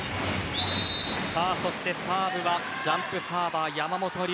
サーブはジャンプサーバー、山本龍。